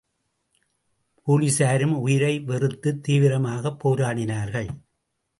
போலிஸாரும் உயிரை வெறுத்துத் தீவிரமாக போராடினார்கள்.